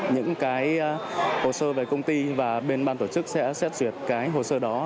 những hồ sơ về công ty và bên bàn tổ chức sẽ xét xuyệt hồ sơ đó